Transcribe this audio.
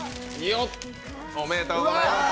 おめでとうございます。